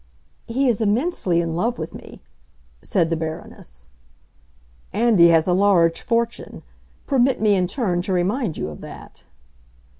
"He is immensely in love with me," said the Baroness. "And he has a large fortune. Permit me in turn to remind you of that."